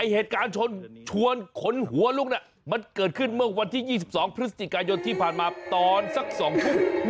เหตุการณ์ชนชวนขนหัวลุกมันเกิดขึ้นเมื่อวันที่๒๒พฤศจิกายนที่ผ่านมาตอนสัก๒ทุ่ม